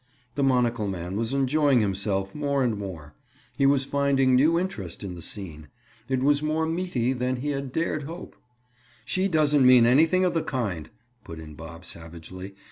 The monocle man was enjoying himself more and more. He was finding new interest in the scene. It was more "meaty" than he had dared hope. "She doesn't mean anything of the kind," put in Bob savagely.